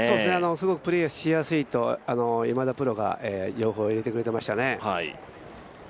すごくプレーしやすいと今田プロが情報を入れてくれてましたね。